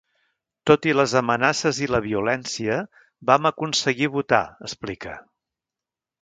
Tot i les amenaces i la violència vam aconseguir votar, explica.